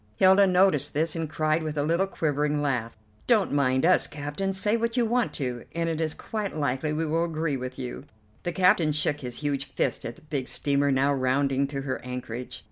Hilda noticed this and cried with a little quivering laugh: "Don't mind us, captain; say what you want to, and it is quite likely we will agree with you." The captain shook his huge fist at the big steamer now rounding to her anchorage.